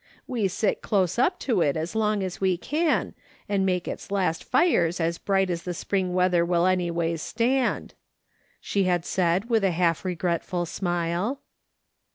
" "We sit close up to it as long as we can, and make its last fires as bright as the spring weather will anyways stand," she had said with a half regretful smile.